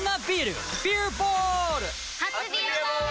初「ビアボール」！